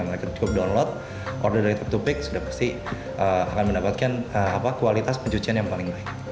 mereka cukup download order dari top to peak sudah pasti akan mendapatkan kualitas pencucian yang paling baik